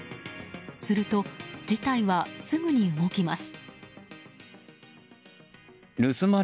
すると、事態はすぐに動きます。